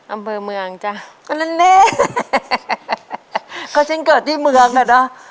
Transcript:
อำเภอเมืองจ้ะก็ฉันเกิดที่เมืองอ่ะเนอะ